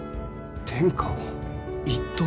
天下を一統？